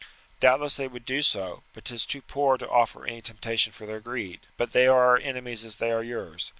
"Doubtless they would do so, but 'tis too poor to offer any temptation for their greed. But they are our enemies as they are yours.